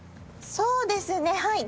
そうですねはい。